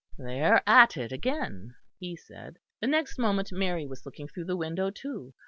"They are at it again," he said. The next moment Mary was looking through the window too.